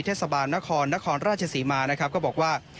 เทศบาลนครนครราชสีมาบอกว่า